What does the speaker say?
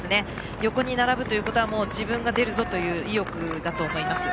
横に並ぶということは自分が出るぞという意欲だと思います。